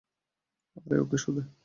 আরে, ওকে শো দে।